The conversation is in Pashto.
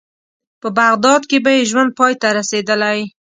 په بغداد کې به یې ژوند پای ته رسېدلی.